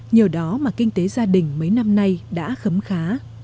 nhờ đó mà kinh tế gia đình mấy năm nay đã khấm khá